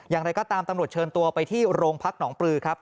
อย่างไรก็ตามตำรวจเชิญตัวไปที่โรงพักหนองปลือครับ